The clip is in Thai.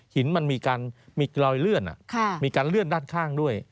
หินมันมีรอยเลื่อนมีการเลื่อนด้านข้างด้วย